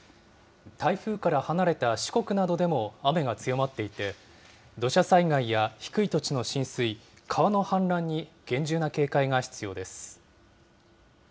台風から離れた四国などでも雨が強まっていて、土砂災害や低い土地の浸水、川の氾濫に厳重な警戒が必要です。